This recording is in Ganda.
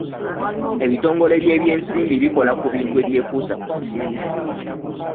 Ebitongole by'ebyensimbi bikola ku bintu ebyekuusa ku nsimbi.